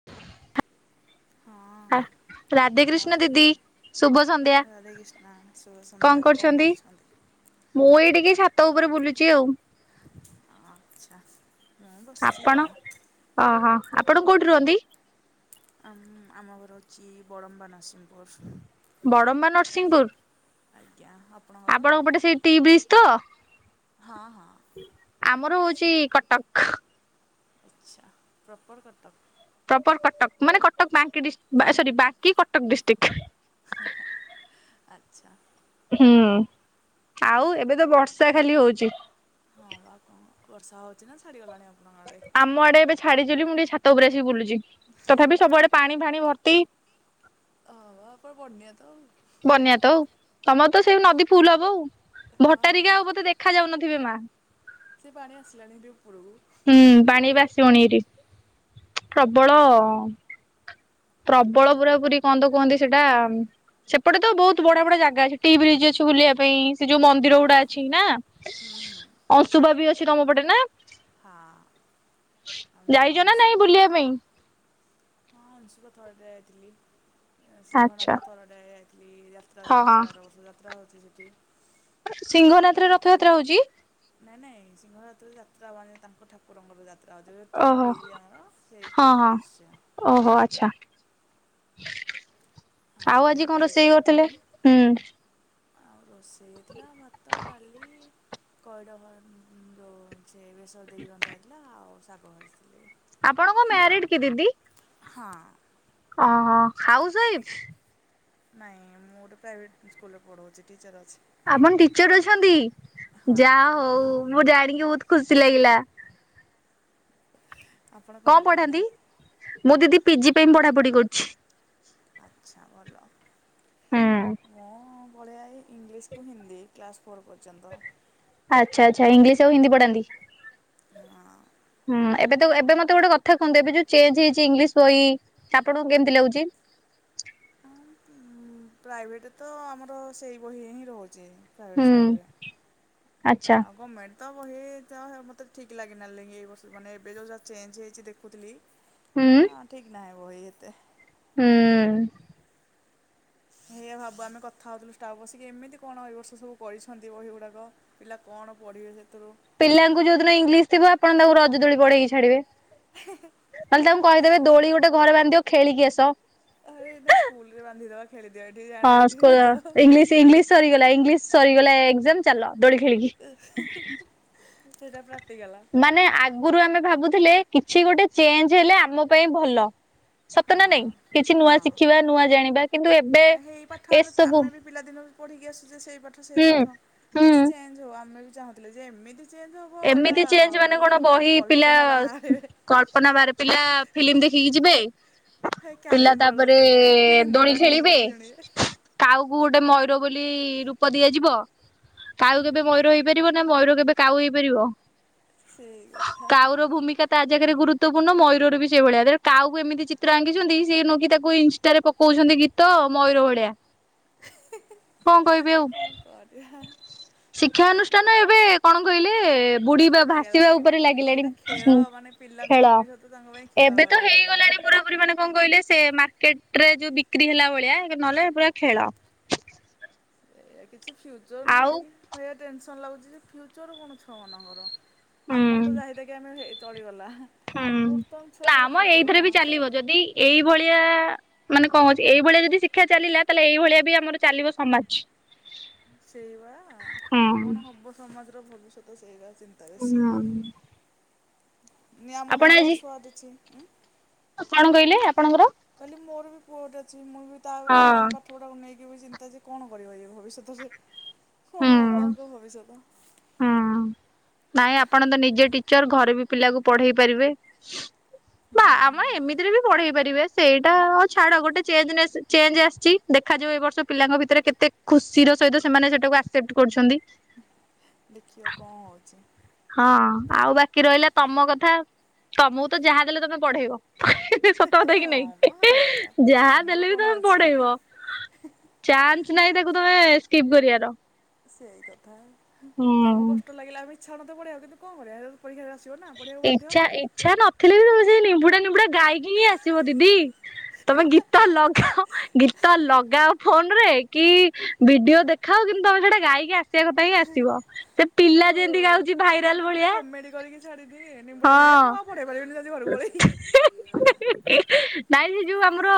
[inaudible] [unintelligible] ରାଧା କଣ କୃଷ୍ଣ ଦିଦି ଶୁଭ ସନ୍ଧ୍ୟା ରାଧାକିଷ୍ଣା ଶୁଭ ସନ୍ଧ୍ୟା କଣ କରୁଛନ୍ତି? ମୁଁ ଏଇ ଟିକେ ଛାତ ଉପରେ ବୁଲୁଛି ଆଉ। ଆଚ୍ଛା ମୁଁ ବସିଛି ଆଉ। ହଁ ହଁ ଆପଣ କୋଉଠି ରୁହନ୍ତି? ଆମ୍ ଆମ ଘର ହଉଛି ବଡ଼ମ୍ବା ନରସିଂହପୁର। ବଡ଼ମ୍ବା ନରସିଂହଂପୁର? ଆଜ୍ଞା ହପ୍ ଆପଣଙ୍କ ପଟେ ସେଇଟି ବ୍ରିଜ୍ ତ, ହଁ ହଁ ଆମର ହଉଛି କଟକ। ଆଚ୍ଛା ପ୍ରପର କଟକ? ପ୍ରପର ର୍କଟକ ମାନେ କଟକ ବାକିଂଡିସ ସରି ବାକି କଟକ ଡିସ୍ଟିକ୍। ହାଁ ଆଚ୍ଛା। ହୁଁ-ଆଉ ଏବେ ତ ବର୍ଷା ଖାଲି ହଉଚି। ହଁ ବା କଣ ବର୍ଷା ହଉଛି ନା, ଛାଡ଼ି ଗଲାଣି ଆପଣଙ୍କ ଆଡ଼େ? ଆମ ଆଡ଼େ ଏବେ ଛାଡ଼ିଛିବୋଲି ମୁଁ ଟିକେ ଛାତ ଉପରେ ଆସିକୁ ବୁଲୁଚି ତଥାପି ସବୁଆଡ଼େ ପାଣି ଫାଣି ଭର୍ତ୍ତି। ଅଁ ଅଁ ଆପଣ ବନ୍ୟା ତ୍ ଆଉ ବନ୍ୟା ତ ଆଉ ତମର ତ ସେଇ ନଦୀ ଫୁଲ ହବ ଆଉ ହଁ ହଁ। ଭଟାରିକା ଆଉ ବୋଧେ ଦେଖାଯାଉନଥିବେ ମା [unintelligible] ହୁଁ ପାଣି ଏବେ ଆସିବଣିହେରି ପ୍ରବଳ ପ୍ରବଳ ପୁରା ପୁରୀ କଣତ କୁହନ୍ତି ସେଇଟା? ସେପଟେ ତ ବହୁତ ବଢିଆ ବଢ଼ିଆ ଜାଗା ଅଛି, ଟି ବ୍ରିଜ୍ ଅଛି ବୁଲିଆ ପାଇଁ। ସେ ଯୋଉ ମନ୍ଦୀର ହଁ ଗୁଡ଼ା ଅଛି ନାଁ ହୁଁ ହୁଁ [unintelligible] ବି ଅଛି ତମ ପଟେ ନାଁ? ହଁ। ର ନା ନାଇଁ ଅସୁଂବ ବୁଲିବା ପାଇଁ ହଁ ଅଂଶୁକ ଥରେ ଯାଇଥିଲି। ଆଚ୍ଛା ସିଂହନାଥ ଥରଟେ ଯାଇଥିଲି ଯାତ୍ରା ହଁ ହଁ। ଦେଖିଥିଲି ଆର ବର୍ଷ ଯାତ୍ରା ହଉଛି ସେଠୀ। ସିଂଘଂନାଥରେ ରଥଯାତ୍ରା ହଉଛି। ନାଇଁ ନାଇଁ ସିଂଘଂରଥରେ ଯାତ୍ରା ହବନି ତାଙ୍କ ଠାକୁରଙ୍କର ଯାତ୍ରା ହଉଚି ଏବେ ଟି ଓହୋ ବ୍ରିଜ୍ ଆମର ସେଇ ଟି ହଁ ହଁ ବ୍ରିଜ୍ ସିୟା। ଓହୋ ଆଚ୍ଛା! ଆଉ ଆଜି କଣ ରୋଷେଇ କରିଥିଲେ, ହୁଁ। ଆଉ ରୋଷେଇ ହେଇଥିଲା ଭାତ ଡାଲି [unintelligible] ଯୋଉ ସେ ବେସର ଦେଇକି ରନ୍ଧା ହେଇଥିଲା ଆଉ ଶାଗ ଭାଜିଥିଲେ। ଆପଣଙ୍କ ମ୍ୟାରିଡ କେଦିଦି? ହଁ। ଅଁହଁ ଖାଉସ୍ ୱାଇଫ୍। ନାଇଁ ମୁଁ ଗୋଟେ ପ୍ରାଇଭେଟ ସ୍କୁଲରେ ପଢ଼ଉଛି ଟିଚର ଅଛି। ଆପଣ ଟିଚର ଅଛନ୍ତି ହଁ ଯାହା ହଉ ମୁଁ ଜାଣିକି ବହୁତ ଖୁସି ଲାଗିଲା। ଆପଣ କଣ କରନ୍ତି ପଢାନ୍ତି? ମୁଁ ଦିଦି ପିଜି ପାଇଁ ପଢ଼ାପଢ଼ି କରୁଛି। ଆଚ୍ଛା ଭଲ ଆଚ୍ଛା ମୁଁ ପଢ଼ାଏ ଇଂଲିସ୍। ହିନ୍ଦୀ କ୍ଲାସ୍ ଫୋର୍ ପର୍ଯ୍ୟନ୍ତ। ଆଚ୍ଛା ଆଚ୍ଛା ଇଂଲିସ୍ ଆଉ ହିନ୍ଦୀ ପଢାନ୍ତି। ହଁ। ହୁଁ ଏବେ ତ ଏବେ ମତେ ଗୋଟେ କଥା କୁହନ୍ତୁ ଏବେ ଯୋଉ ଚେଞ୍ଚ ହେଇଛି ଇଂଲିସ୍ ବହି ଆପଣଙ୍କୁ କେମିତି ଲାଗୁଛି। ପ୍ରାଇଭେଟ ତ ଆମର ସେଇ ବହି ହିଁ ରହୁଚି। ପାଇଭେଟ ହୁଁ ସ୍କୁଲରେ ଆଚ୍ଛା ଆଉ ଗମେଟ୍ ତମ ହେ ତ ମତେ ଠିକ ଲାଗି ଅ ହୁଁ ଠିକ୍ ନାହିଁ ବହି ଏତେ। ହୁଁ। ହେୟ୍ ଭାବୁ ଆମେ କଥା ହଉଥିଲୁ ଷ୍ଟାଫ୍ ବସିକି ଏମିତି କଣ ଏଇ ର୍ବଷ ସବୁ କରିଛନ୍ତି ବହି ଗୁଡ଼ାକ। ପିଲା କଣ ପଢ଼ିବେ ସେଥରୁ। ପିଲାଙ୍କୁ ଯୋଉ ଦିନ ଇଂଲିସ୍ ଥିବ ଆପଣ ତାଙ୍କୁ ରଜଦୋଳି ପଢ଼େଇ କି ଛାଡ଼ିବେ। ହେହେଁ ନହେଲେ ତାଙ୍କୁ କହିଦେବେ ଦୋଳି ଗୋଟେ ଘରେ ବାନ୍ଧିଦିଅ ଖେଳିକି ଆସ। ଆରେ ଏଇନା ସ୍କୁଲ୍ ରେ ବାନ୍ଧିଦେବା ଖେଳିଦେବେ ଆଣ ହଁ ଏଠି ସ୍କୁଲ ରଜ। ଇଂଲିଶ ଇଂଲିଶ ସରିଗଲା ଇଂଲିଶ୍ ସରିଗଲା ଏକ୍ଜାମ ଚାଲ ଦୋଳି ଖେଳିକି। ସେଇଟା ପ୍ରାଟିକାଲ। ମାନେ ଆଗରୁ ଆମେ ଭାବୁଥିଲେ କିଛି ଗୋଟେ ଚେଞ୍ଜ୍ ହେଲେ ଆମ ପାଇଁ ଭଲ ସତ ହଁ ନା ନାଇଁ କିଛି ନୂଆ ହଁ ଶିଖିବା ନୂଆ ଜାଣିବା କିନ୍ତୁ ଏବେ ଏସବୁ ପିଲାଦିନ ରୁ ପଢ଼ିକି ଆସୁଛେ ସେଇ ପାଠ ସେଇ ହୁଁ ପାଠ ହୁଁ କିଛି ଚେଞ୍ଜ୍ ହଉ ଆମେ ବି ଚାହୁଁଥିଲେ ଯେ ଏମିତି ଚେଞ୍ଜ୍ ହେବ ଏଇଟା ଏମିତି ଚେଞ୍ଜ ମାନେ କଣ ବହି ପିଲା କଳ୍ପନା ବାହରେ। କଳ୍ପନା ବାହରେ ପିଲା ଫିଲ୍ମ ଦେଖିକି ଯିବେ। ହେ ପିଲା କ୍ୟାଲେଣ୍ଡର ତାପରେ ଦେଖିବେ ଦୋଳି ଲିମ୍ବୁଡ଼ା ଖେଳିବେ ନିମ୍ବୁଡ଼ା ଶୁଣିବେ କାଉକୁ ଗୋଟେ ମୟୂର ବୋଲି ରୂପ ଦିଆଯିବ କାଉ କେବେ ମୟୂର ହେଇ ନା ମୟୂର କେବେ କାଉ ହେଇପାରିବ ସେଇ କଥା କାଉର ଭୂମିକା ତା ଜାଗାରେ ଗୁରୁ୍ତ୍ୱପୂର୍ଣ୍ଣ ମୟୂରରୁ ବି ସେଇ ଭଳିଆରେ କାଉକୁ ଏମତିି ଚିତ୍ର ଆଙ୍କିଛନ୍ତି ସେ ନୁହଁକି ତାକୁ ଇନ୍ଷ୍ଟାରେ କହୁଛନ୍ତି ଗୀତ ମୟୂର ଭଳିଆ କଣ କହିବି ଆଉ। କଣ କରିବା ଶିକ୍ଷା ଅନୁଷ୍ଠାନ ଏବେ କଣ କହିଲେ ବୁଡ଼ିବା ଖେଳ ଭାସିବା ଉପରେ ଲାଗିଲାଣି ସେଇଟା ଖେଳ ହୁଁ ମାନେ ପିଲାଙ୍କ ଖେଳ ଭବିଷ୍ୟତ ତାଙ୍କ ପାଇଁ ଖେଳ ଏବେ ତ ଘର ହେଇଗଲାଣି ପୁରା ପୁରୀ ମାନେ କଣ କହିଲ ସେ ମାର୍କେଟ ରେ ଯୋଉ ବିକ୍ରି ହେଲା ଭଳିଆ ନହେଲେ ପୁରା ଖେଳ। ଏଆ କିଛି ଫ୍ୟୁଚର ଆଉ ନାହିଁ କି ସେଇଆ ଟେନସନ୍ ଲାଗୁଛି ଯେ ଫ୍ୟୁଚର କଣ ଛୁଆ ମାନଙ୍କର। ହୁଁ ଆମର ତ ଯାହି ତାହିକି ଆମେ ଚଳିଗଲା। ହୁଁ ବର୍ତ୍ତମାନ ନା ଛୁଆଙ୍କର ଆମ ଫ୍ୟୁଚର ଏଇଥରେ କଣ ବି ଚାଲିବ ଯଦି ଏଇଭଳିଆ ମାନେ କଣ ହଉଛି ଏଇଭଳିଆ ଯଦି ଶିକ୍ଷା ଚାଲିଲା ତାହେଲେ ଏଇଭଳିଆ ବି ଆମର ଚାଲିବ ସମାଜ। ସେଇବା ହଁ କଣ ହବ ସମାଜର ଭବିଷ୍ୟତ ସେଇଆ ଚିନ୍ତା ବେଶୀ। ହଁ ନି ଆମର ଆଜି ମୋର ସୁଆଦୁଛି ଉଁ [inaudible] କଣ କହିଲେ ଆପଣଙ୍କର କହିଲି ମୋର ବି ପୁଅ ଟେ ଅଛି ମୁଁ ବି ତା ହଁ ମାନେ ପାଠ ଗୁଡ଼ାକୁ ନେଇକି ବି ଚିନ୍ତା ଯେ କଣ କରିବ ଇଏ ଭବିଷ୍ୟତରେ କଣ ହବ ହୁଁ ଆଙ୍କ ଭବିଷ୍ୟତ। ହୁଁ ନାଇଁ ଆପଣ ତ ନିଜେ ଟିଚର ଘରେ ବି ପିଲାକୁ ପଢ଼େଇ ପାରିବେ ହ [inaudible] ବା ଆମେ ଏମିତିରେ ବି ପଢେଇ ପାରିବେ ସେଇଟା ଛାଡ ଗୋଟେ ଚେଞ୍ଜନେସ୍ ଚେଞ୍ଜ୍ ଆସିଛି ଦେଖାଯାଉ ଏ ବର୍ଷ ପିଲାଙ୍କ ଭିତରେ କେତେ ଖୁସି ର ସହିତ ସେମାନେ ସେଟାକୁ ଆସେ ସେପ୍ଟ୍ କରୁଛନ୍ତି। ଦେଖିବା କଣ ହଉଛି। ହଁ ଆଉ ବାକି ରହିଲା ତମ କଥା ତମକୁ ତ ଯାହା ଦେଲେ ତମେ ପଢ଼େଇବ। ସତ କଥା କି ହଁ ମ ଏଇଆ ନାଇଁ ଯାହା ଆମର ଦେଲେ ବି କଣ ତମେ ଅଛି। ପଢ଼େଇବ। ଚାନ୍ସ ନାହିଁ ତାକୁ ତମେ ସ୍କିପ୍ କରିବାର। ସେଇ କଥା ହୁଁ ଆମକୁ କଷ୍ଟ ଲାଗିଲା ଆମେ ଇଚ୍ଛା ହଉନଥିବ ପଢେଇଆକୁ କିନ୍ତୁ କଣ କରିବା ପରୀକ୍ଷା ଇଚ୍ଛା ଇଚ୍ଛା ନଥିଲେ ବି ତମେ ସେ ନିମ୍ବୁଡା ନିମ୍ବୁଡ଼ା ଗାଇକି ହିଁ ଆସିବ ଦିଦି। ତମେ ଗୀତ ଲଗାଅ ଗୀତ ଲଗାଅ ଫୋନ ରେ କି ଭିଡିଓ ଦେଖାଅ କିନ୍ତୁ ତମେ ସେଟା ଗାଇକି ଆସିବା କଥା ହିଁ ଆସିବ। ସେ ପିଲା ଯୋଉ ଯେମିତି ଗାଉଛି କିଏ ଭାଇରାଲ ଗୋଟେ ଗୋଟେ ଭଳିଆ କମେଡି଼ କରିକି ଛାଡ଼ି ଦିଏ ନିମ୍ବୁଡ଼ା ନା ହଁ। ମୁଁ ଆଉ ପଢ଼େଇ ପାରିବିନି ଯାଉଛି ଘରକୁ ପଳେଇବି। [unintelligible] ନାଇଁ ସେ ଯୋଉ ଆମର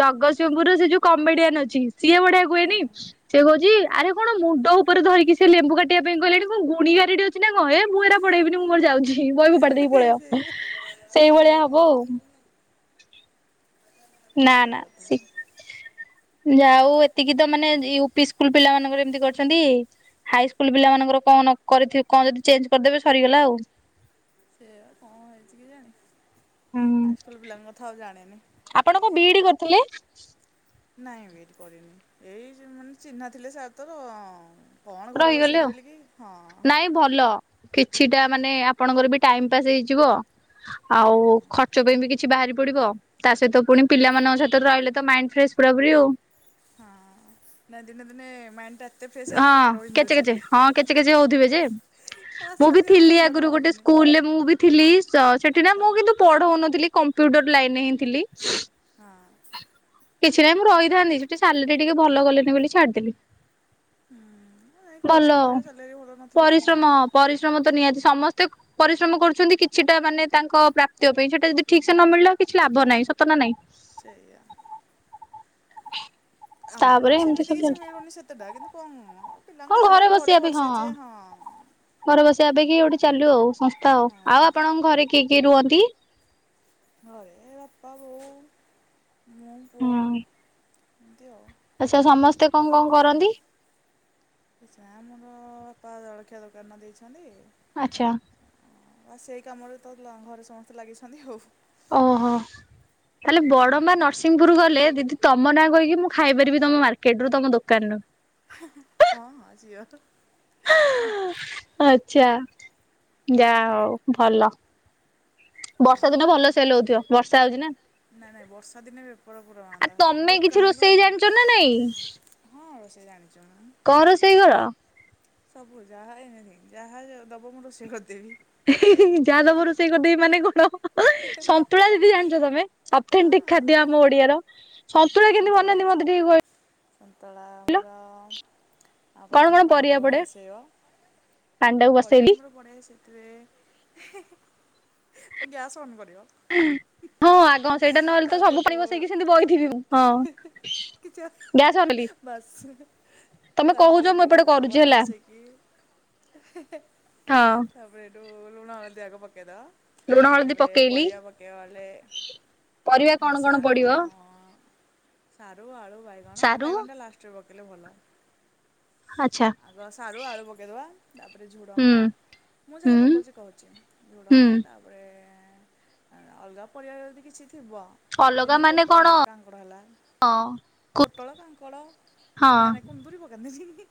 ଜଗତସିଂହପୁରୁ ସେ ଯୋଉ କମେଡି଼ଆନ୍ ଅଛି ସିଏ ବଢି଼ଆ କୁହେନି ସେ କହୁଛି ଆରେ କଣ ମୁଣ୍ଡ ଉପରେ ଧରିକି ସେ ଲେମ୍ବୁ କାଟିବା ପାଇଁ ଆସିଲାଣି କଣ ଗୁଣି ଗାରେଡି଼ ଅ ଛି ନା କଣ ଏ ମୁଁ ଏରା ପଢ଼େଇବିନି ମୁଁ ମୋର ଯାଉଛି ବହି ଫୋପାଡ଼ି ଦେଇକି ସେ ସେଇ ପଳେଇବ ସେଇଭଳିଆ ହବ କଥା ଆଉ। ନା ସେଇ ନା କଥା ଶି ଯାଉ ଏତିକି ତ ମାନେ ୟୁପି ସ୍କୁଲ ପିଲାମାନଙ୍କ ର ଏମତି କରିଛନ୍ତି। ହାଇ ସ୍କୁଲ ପିଲାମାନାନଙ୍କର କଣ ନକରିଥିବେ କଣ ଯଦି ଚେଞ୍ଜ କରିଦେବେ ସରିଗଲା ଆଉ। ସେଇଆ ବା କଣ ହେଇଛି କେଜାଣି। ହୁଁ। ହାଏ ସ୍କୁଲ ପିଲାଙ୍କ କଥା ଆଉ ଜାଣେନି। ଆପଣ କଁ ବି ଇ ଡି କରିଥିଲେ? ନାଇଁ ବି ଇ ଡି କରିନି ଏଇ ଯେ ମାନେ ଚିହ୍ନା ଥିଲେ ସାର୍ ତ ଅଁ କଣ ଘରେ ରହିଗଲେ ବସିବି ଆଉ ବୋଲି କି, ହଁ। ନାଇଁ ଭଲ କିଛିଟା ମାନେ ଆପଣଙ୍କର ବି ଟାଇମ୍ ପାସ୍ ହେଇଯିବ ହଁ ଆଉ ଖର୍ଚ୍ଚ ପାଇଁ ବି କିଛି ବାହାରି ପଡି଼ବ ତା ସହିତ ପୁଣି ପିଲାମାନଙ୍କ ସହିତ ରହିଲେ ତ ମାଇଣ୍ଡ୍ ଫ୍ରେଶ ପୁରା ପୁରି ଆଉ। ହଁ ନା ଦିନେ ଦିନେ ମାଇଣ୍ଡ୍ ଟା ହଁ କେଚେ କେଚେ ହଁ କେଚେ କେଚେ ହଉଥିବେ ଯେ ମୁଁ ଆସିଲା ବି ଯେ ଆସି ଥିଲି ମୁଣ୍ଡ କାମ ଆଗରୁ ଗୋଟେ କରୁନି। ସ୍କୁଲରେ ମୁଁ ବି ଥିଲି ସ ସେଠି ନା ଆଚ୍ଛା ମୁଁ କିନ୍ତୁ ପଢ଼ଉନଥିଲି କମ୍ପୁଟର ଲାଇନ୍ ରେ ହିଁ ଥିଲି। ହଁ। କିଛି ନାଇଁ ମୁଁ ରହିଥାନ୍ତି ସେଠି ସାଲେରୀ ଟିକେ ଭଲ କଲେନି ବୋଲି ଛାଡ଼ିଦେଲି। ହୁଁ ନାଇଁ ପରିଶ୍ରମ କରିବ ସାଲେରି ଭଲ ନଥିଲେ କଣ ପରିଶ୍ରମ ହବ। ପରିଶ୍ରମ ତ ନିହାତି ସମସ୍ତେ କ ପରିଶ୍ରମ କରୁଛନ୍ତି କିଛିଟା ମାନେ ତାଙ୍କ ପ୍ରାପ୍ତ୍ୟ ପାଇଁ ସେଟା ଯଦି ଠିକ୍ ସେ ନ ମିଳିଲା କିଛି ଲାଭ ନାହିଁ ସତ ନା ନାହିଁ? ସେଇଆ ଆମକୁ ତାପରେ ବି ଏମିତି ସେମିତି ସବୁ କିଛି ଚାଲିଛି ମିଳୁନି ସେତେଟା କିନ୍ତୁ [unintelligible] କଣ ପିଲାଙ୍କ ସାଙ୍ଗରେ ବସିବା ଘରେ ପାଇଁ ବସିଛେ ହଁ। ଘରେ ବସିଆ ଅପେକ୍ଷା ଇଏ ଗୋଟେ ଚାଲୁ ଆଉ ସଂସ୍ଥା ଆଉ ହଁ ଆଉ ଆପଣଙ୍କ ଘରେ କିଏ କିଏ ରୁହନ୍ତି? ଘରେ ବାପା, ବୋଉ, ମୁଁ ହୁଁ ପୁଅ ଏମିତି ଆଉ। ଆଚ୍ଛା ସମସ୍ତେ କଣ କଣ କରନ୍ତି? [unintelligible] ଆମର ବାପା ଜଳଖିଆ ଦୋକାନ ଦେଇଛନ୍ତି। ଆଚ୍ଛା। ଆ ସେ କାମରେ ତ ଲା ଘରେ ସମସ୍ତେ ଲାଗିଛନ୍ତି ଆଉ। ଓହୋ। ତାହେଲେ ବଡମ୍ବା ନରସିଂହପୁର ଗଲେ ଦିଦି ତମ ନାଁ କହିକି ମୁଁ ଖାଇପାରିବି ତମ ମାର୍କେଟରୁ ତମ ଦୋକାନରୁ। ହଁ ହଁ ସିଓର। ଆଚ୍ଛା, ଯାହା ହଉ ଭଲ। ବର୍ଷା ଦିନ ଆଉ ଭଲ ସେଲ୍ ହଉଥିବ ବର୍ଷା ହଉଛି ନା। ନାଇଁ ନାଇଁ ବର୍ଷା ଦିନେ ବେପାର ପୁରା ଆ ମାନ୍ଦା ତମେ କିଛି ଦୋକାନ ଖୋଲୁ ରୋଷେଇ ଜାଣିଛ ନା ନାଇଁ ନାହାନ୍ତି। ହଁ ରୋଷେଇ ଜାଣିଛି ମୁଁ। କଁ ରୋଷେଇ କର? ସବୁ ଯାହା ଏଭ୍ରିଥିଂ ଯାହା ଜ ଦବ ମୁଁ ରୋଷେଇ କରିଦେବି। ଇ ହିଃ ହିଃ ଯାହାଦବ ରୋଷେଇ କରିଦେବି ମାନେ କଣ ସନ୍ତୁଳା ଦିଦି ଜାଣିଛ ତମେ? ହଁ ଅଫେଣ୍ଟିକ୍ ଖାଦ୍ୟ ଆମ ଓଡ଼ିଆର ସନ୍ତୁଳି କେମିତି ବନାନ୍ତି ମତେ ଟିକେ କହି ସନ୍ତଳା ଆମର ଆ କଣ କଣ ପ୍ରଥମେ ପରିବା ପାଣିଟାକୁ ପଡେ ବସେଇବ। ପାଣିଟାକୁ ପରିବା ବସେଇଲି ଆମର ପଡ଼େ ସେ ତିରେ ଏ ଗ୍ୟାସ ଅନ୍ କରିବ। ହଁ ଆଗ ହଁ ସେଇଟା ନହେଲେ ତ ସବୁ ପାଣି ବସେଇକି ସେମିତି ବଇଥିବି ମୁଁ ହଁ। ହି ହି କି ଚା? ଗ୍ୟାସ ଅନେଇଲି। ବାସ୍। ତମେ କହୁଛ ତାପରେ ମୁଁ ହେଇଠୁ ଏପଟେ କରୁଛି ଘରେ ହେଲା ବସେଇକି, ହେ ହେ ତାପରେ ହଁ ତାପରେ ହେଇଠୁ ଲୁଣ, ହଳଦୀ ଆଗ ପକେଇଦବ ଲୁଣ ହଳଦୀ ତାପରେ ପକେଇଲି ପରିବା ପକେଇବା ବୋଲେ, ପରିବା କଣ କଣ ସାରୁ ପଡିବ ସାରୁ, ଆଳୁ, ବାଇଗଣ, ସାରୁ ବାଇଗଣଟା ଲାଷ୍ଟରେ ପକେଇଲେ ଭଲ। ଆଚ୍ଛା ଆଗ ସାରୁ, ଆଳୁ ପକେଇଦବା, ତାପରେ ହୁଁ ଝୁଡ଼ଙ୍ଗ ମୁଁ ଯାହା ହୁଁ ପକଉଛି କହୁଛି, ହୁଁ ଝୁଡ଼ଙ୍ଗ ତାପ ତାପରେ ଅଲଗା ପରିବା ଯଦି କିଛି ଥିବ, ଅଲଗା ଯେମତି ମାନେ ପୋଟଳ କଣ ହେଲା କାଙ୍କ ଙ୍କଡ଼ ହେଲା, ହଁ ପୋଟଳ, କାଙ୍କଡ଼, ହଁ ନାଇଁ ନାଇଁ କୁନ୍ଦୁରି ପକାନ୍ତିନି।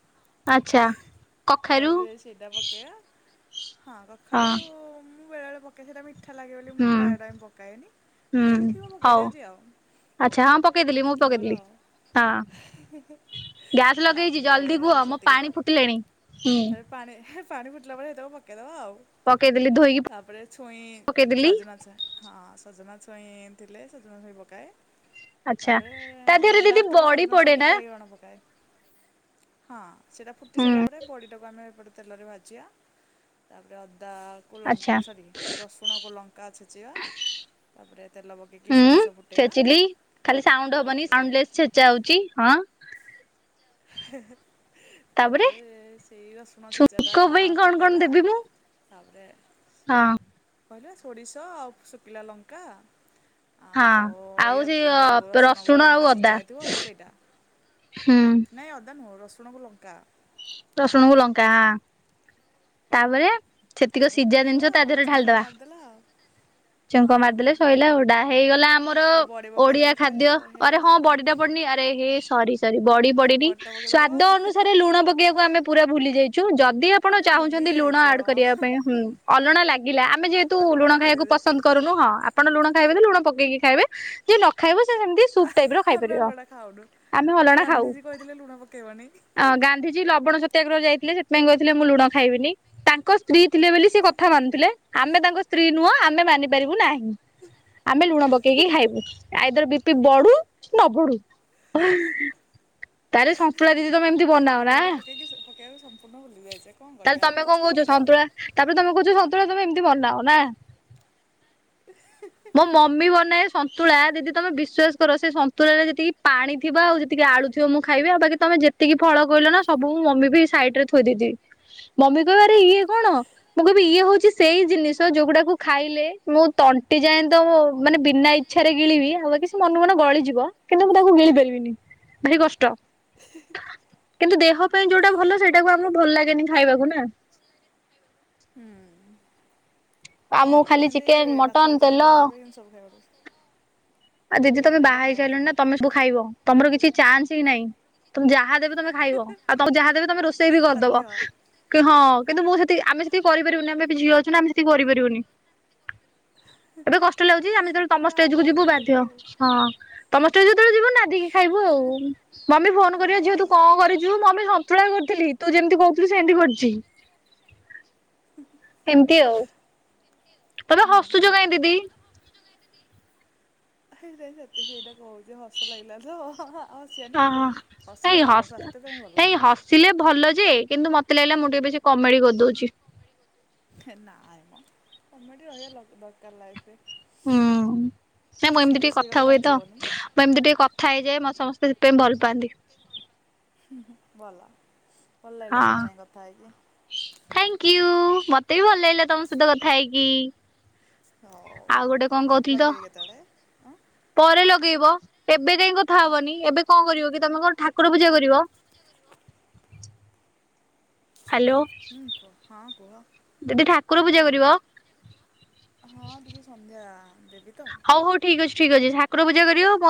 ଆଚ୍ଛା କଖାରୁ ତାପରେ ସେଇଟା ପକେଇବା, ହଁ କଖାରୁ ରୁକୁ ମୁଁ ବେଳେ ବଳେ ପକାଏ, ସେଇଟା ମିଠା ମିଠା ଲାଗେ ବୋଲି ମୁଁ ହୁଁ ପ୍ରାୟ ଟାଇମ ପକାଏନି, ହୁଁ ଯଦି ଥିବ ହଉ ପକେଇଦେଉଛି ଆଉ। ଆଚ୍ଛା। ହଁ ପକେଇଦେଲି ମୁଁ ଟିକେ ମୋର ପକେଇଦେଲି, ଆଉ ହଁ। ଗ୍ୟାସ ଲଗେଇଛି, ତାପରେ ଜଲ୍ଦି କୁହ, ମୋ ସେତିକି ତ ପାଣି ଫୁଟିଲାଣି, ହୁଁ। ତାପରେ ପାଣି ହେ ପାଣି ଫୁଟିଲା ବେଳେ ସେତକ ପକେଇଦବ ଆଉ। ପକେଇଦେଲି ଧୋଇକି ତାପରେ ଛୁଇଁ, ପକେଇଦେଲି ସଜନା ଛୁଇଁ ହଁ ସଜନା ଛୁଇଁ ଥିଲେ, ସଜନା ଛୁଇଁ ପକାଏ ଆଚ୍ଛା ତାପରେ ତା ଦେହରେ ଦିଦି ଲାଷ୍ଟକୁ ବଡି ସଜନା ପଡେ ଛୁଇଁକି ନା ବାଇଗଣ ପକାଏ। ହଁ ସେଇଟା ଫୁଟି ହୁଁ ସାରିଲା ପରେ ବଡିଟାକୁ ଆମେ ଏପଟେ ତେଲରେ ଭାଜିବା। ତାପରେ ଅଦାକୁ ଆଚ୍ଛା ଲଙ୍କ ସରି ରସୁଣକୁ ଲଙ୍କା ଛେଚିବା ତାପରେ ତେଲ ପକେଇକି ହୁଁ ସୋରିଷ ଫୁଟେଇବା ଛେଚିଲି ଖାଲି ସାଉଣ୍ଡ ହବନି, ତାପରେ ସାଉଣ୍ଡ ଲେସ୍ ଛେଚା ହଉଛି ହଁ। ହେ ହେ, ତାପରେ ସେଇ ରସୁଣ ଛେଚାଟା ଛୁଙ୍କ ପାଇଁ କଣ କଣ ଫୁଟେଇବା ଦେବି ମୁଁ ତାପରେ ହଁ କହିଲି ବା ସୋଡିଷ ଆଉ ଶୁକିଲା ଲଙ୍କା ହଁ ଆଉ ଆଉ ଇଏ ସେ ତ ଯୋଉ ରସୁଣ ରସୁଣକୁ ଆଉ ଲଙ୍କା ଅଦା ଛେଚା ହେଇଥିବ ସେଇଟା ହୁଁ। ନାଇଁ ଅଦା ନୁହଁ, ରସୁଣକୁ ଲଙ୍କା। ରସୁଣକୁ ଲଙ୍କା। ତାପରେ ସେତିକ ତାପରେ ସିଝା ଫୁଟେଇଦବା ଜିନିଷ ତା ଆଉ ଦେହରେ ଛୁଙ୍କ ଢାଳିଦବା, ମାରିଦେଲା ଆଉ ଛୁଙ୍କ ହଁ ମାରିଦେଲେ ସଇଲା ଓଡ଼ା ହେଇଗଲା ଆମର ଏ ମର ବଡ଼ି ଓଡିଆ ପକେଇଦେଲେ ସଇଲା ଖାଦ୍ୟ, ଆଉ ଆରେ ହେଇଗଲା ହଁ ଆଉ ବଡିଟା ପଡିନି ଆରେ ହେ ସରି ସରି ବଡ଼ି ପଡିିନି, ବଡ଼ିଟା ସ୍ଵାଦ ପକେଇଦବା ଅନୁସାରେ ଲୁଣ ପକେଇବାକୁ ଆମେ ପୁରା ଭୁଲି ଯାଇଛୁ। ଯଦି ଆପଣ ଆରେ ଭୁଲି ଲୁଣ ଯାଇଛି ଆଡ କରିବା ହଁ ପାଇଁ ହୁଁ। ଅଲଣା ଲାଗିଲା ଆମେ ଯେହେତୁ ତା ଲୁଣ ଖାଇଆକୁ ପକେଇଦେବେ ପସନ୍ଦ କରୁନୁ ହଁ। ଆପଣ ଲୁଣ ଖାଇବେ ତ ଲୁଣ ପକେଇକି ଖାଇବେ। ଯିଏ ନଖାଇବ ସିଏ ସେମିତି ସୁପ୍ ଟାଇପର ଆମେ ଖାଇପାରିବ। ଅଲଡ଼ା ଖାଉନୁ। ଆମେ ଗାନ୍ଧିଜୀ କହିଥିଲେ ଲୁଣ ପକେଇବନି। ଅଁ ଗାନ୍ଧିଜୀ ଲବଣ ସତ୍ୟାଗ୍ରହ ଯାଇଥିଲେ ସେଥିପାଇଁ କହିଥିଲେ ମୁଁ ଲୁଣ ଖାଇବିନି। ତାଙ୍କ ସ୍ତ୍ରୀ ଥିଲେ ବେଲି ସେ କଥା ମାନୁଥିଲେ, ଆମେ ତାଙ୍କ ସ୍ତ୍ରୀ ନୁହଁ ଆମେ ମାନି ପାରିବୁ ନାହିଁ। ଆମେ ଲୁଣ ପକେଇକି ଖାଇବୁ। ଆଇଦର ବି ପି ବଢୁ, କି ନ ବଢୁ। ତାହେଲେ ସନ୍ତୁଳା ଦିଦି ତମେ ଏମିତି ବନାଅ ନା ଲୁଣଟା ପକେଇକି ସ ପକେଇବାକୁ ସମ୍ପୂର୍ଣ୍ଣ ଭୁଲି ଯାଇଚେ, କଣ ତାହେଲେ କରିଆ ତମେ କଣ ପଛରେ କହୁଛ ପକେଇଦବା। ସନ୍ତୁଳା ତାପରେ ତମେ କହୁଛ ସନ୍ତୁଳା ତମେ ଏମତି ବନାଅ ନା? ମୋ ମମି ବନାଏ ସନ୍ତୁଳା, ଯେଦି ତମେ ବିଶ୍ୱାସ କର ସେ ସନ୍ତୁଳାରେ ଯେତିକି ପାଣି ଥିବ ଆଉ ଯେତିକି ଆଳୁ ଥିବ ମୁଁ ଖାଇବି ଆଉ ବାକି ତମେ ଯେତିକି ଫଳ କହିଲ ନା, ସବୁ ମୁଁ ମମି ପାଇଁ ସାଇଡରେ ଥୋଇ ଦେଇଥିବି। ମମି କହିବ ଆରେ ଇଏ କଣ? ମୁଁ କହିବି ଇଏ ହଉଛି ସେଇ ଜିନିଷ, ଯୋଉଗୁଡାକୁ ଖାଇଲେ ମୁଁ ତଣ୍ଟି ଯାଏଁ ତ ମାନେ ବିନା ଇ ଇଚ୍ଛାରେ ଗିଳିବି, ଆଉ ବାକି ସିଏ ମନକୁ ମନ ଗଳିଯିବ, କିନ୍ତୁ ମୁଁ ତାକୁ ଗିଳି ପାରିବିନି। ଭାରି କଷ୍ଟ। କିନ୍ତୁ ଦେହ ପାଇଁ ଯୋଉଟା ଭଲ, ସେଇଟାକୁ ଆମକୁ ଭଲ ଲାଗେନି ଖାଇବାକୁ ନା। ହୁଁ ନାଇଁ ଆମକୁ ଆଗରୁ ଖାଲି ହେମତି ଚିକେନ ମାଛ ମଟନ ଫାଛ ତେଲ ଥିଲା ଏବେ କିନ୍ତୁ ସବୁ ଖାଇବାକୁ ପଡୁଚି। ଆଉ ଦିଦି ତମେ ବାହାହେଇ ସାଇଲଣି ନା ତମେ ସବୁ ଖାଇବ ତମର କିଛି ଚାନସ୍ ହିଁ ନାହିଁ ତମେ ଯାହା ଦେବେ ତମେ ଖାଇବ ଆଉ ତମୁ ଯାହା ଦେବେ ତମେ ରୋଷେଇ ବି ବାଧ୍ୟ କରିଦବ। କି ହଁ କିନ୍ତୁ ମୁଁ ସେତିକି ଆମେ ସେତିକି କରିପାରିବୁନି ଆମେ ଏବେ ଝିଅ ଅଛୁ ନା ଆମେ ସେତିକି କରିପାରିବୁନି। ଏବେ କଷ୍ଟ ଲାଗୁଚି ଆମେ ଯେତେବେଳେ ତମ ସେଇଟା ହବ ଷ୍ଟେଜେକୁ ଆଉ ଯିବୁ ଧୀରେ ବାଧ୍ ଧୀରେ ଆଉ। ହଁ ତମ ଷ୍ଟେଜକୁ ଯେତେବେଳେ ଯିବୁ ନାଦିକି ଖାଇବୁ ଆଉ ମମି ଫୋନ ହଁ। କରିବ ଝିଅ ତୁ କଣ କରି ଯୋଉ ମମେ ସନ୍ତୁଳା କରଥିଲି ତୁ ଯେମିତି କୋହୁଥୁଲୁ ସେମତି କରଚି। ଏମତି ଆଉ ତମେ ହସୁଚ କାଇଁ ଦିଦି। ସେଇଟା ବି ସତ ସେଇଟା କୋହୁଚ ହସ ଲାଗିଲା ତ ଆ ହସିଆନି ଓହୋ ନାଇଁ ହସିଲେ ଭଲ ହସ ସ୍ୱାସ୍ଥ୍ୟ ପାଇଁ ଭଲ। ନାଇଁ ହସିଲେ ଭଲ ଯେ କିନ୍ତୁ ମତେ ଲାଗିଲା ମୁଁ ଟିକେ ବେଶୀ କମେଡି କରିଦୋଉଚି। ହେ ନାଇଁ ମ କମେଡ଼ି ରହିବା ଲ ଦରକାର ଲାଇଫରେ। ଉଁ ନାଇଁ ମୁଁ ଏମତି ଟିକେ ସିରିଏସ୍ କଥା ହେଇଗଲେ ହୁଏତ। ବଞ୍ଚି ହେବନି ନା ମୁଁ ଏମତି ଟିକେ କଥା ହେଇଯାଏ ମତେ ସମସ୍ତେ ସେଥିପାଇଁ ଭଲ ପାଆନ୍ତି। ଭଲ ଭଲଲାଗିଲା ତମ ସାଙ୍ଗେ କଥା ହେଇକି। ଥାଙ୍କ୍ ୟୁ ମତେ ବି ଭଲଲାଗିଲା ତମ ସହିତ କଥା ହେଇକି। ହୋଉ ଗୋଟେ ଆଉ କଣ ପର କହୁଥିଲି ତ ଲଗେଇବେ କେତେବେଳେ। ହଁ ପରେ ଲଗେଇବ ଏବେ କାହିଁ କଥା ହଁ ହବନି ଏବେ କଣ କରିବ କି ତମେ କଣ ଠାକୁର ପୂଜା କରିବ? ହାଲୋ। ହୁଁ କୁଅ ହଁ କୁହ। ଦିଦି ଠାକୁର ପୂଜା କରିବ? ହଁ ଟିକେ ସନ୍ଧ୍ୟା ଦେବିତ। ହୋଉ ହୋଉ ଠିକଅଛି ଠିକଅଛି ଠାକୁର ପୂଜା କରିବ ମ